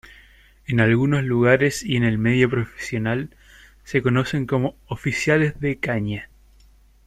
En algunos lugares y en el medio profesional se conocen como "oficiales de caña".